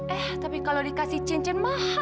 eh tapi kalau dikasih cincin mahal